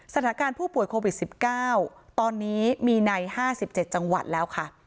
สถานการณ์ผู้ป่วยโควิด๑๙ตอนนี้มีใน๕๗จังหวัดแล้วค่ะ